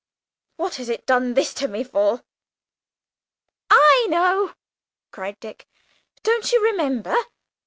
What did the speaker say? What has it done this to me for?" "I know!" cried Dick. "Don't you remember?